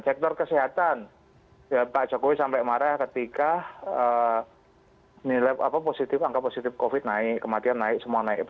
sektor kesehatan pak jokowi sampai marah ketika nilai positif angka positif covid naik kematian naik semua naik